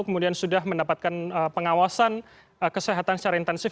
kemudian sudah mendapatkan pengawasan kesehatan secara intensif